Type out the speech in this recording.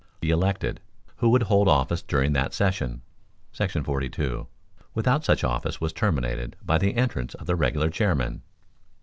be elected, who would hold office during that session [§ 42], without such office was terminated by the entrance of the regular chairman.